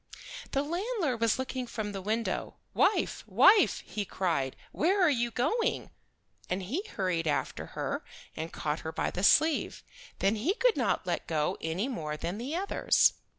The landlord was looking from the window. "Wife, wife," he cried, "where are you going?" And he hurried after her and caught her by the sleeve. Then he could not let go any more than the others.